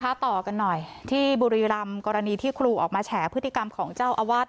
ต่อกันหน่อยที่บุรีรำกรณีที่ครูออกมาแฉพฤติกรรมของเจ้าอาวาส